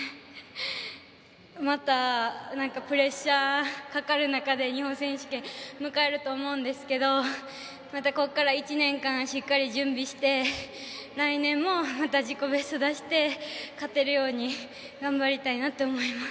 またプレッシャーがかかる中で日本選手権を迎えると思うんですけどまた、ここから１年間しっかり準備して来年もまた自己ベスト出して勝てるように頑張りたいなと思います。